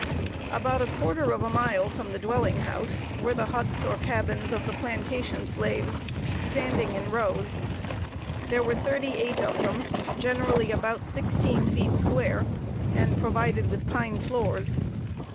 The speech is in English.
About a quarter of a mile from the dwelling house were the huts or cabins of the plantation slaves, standing in rows. There were thirty eight of them, generally about sixteen feet square, and provided with pine floors.